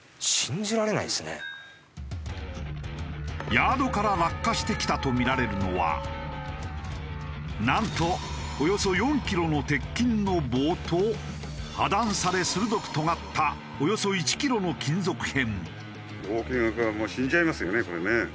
ヤードから落下してきたとみられるのはなんとおよそ４キロの鉄筋の棒と破断され鋭くとがったおよそ１キロの金属片。